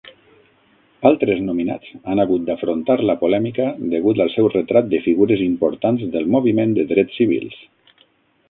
Altres nominats han hagut d'afrontar la polèmica degut al seu retrat de figures importants del moviment de drets civils..